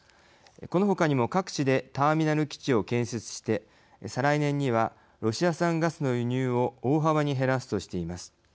このほかにも各地でターミナル基地を建設して再来年にはロシア産ガスの輸入を大幅に減らすとしています。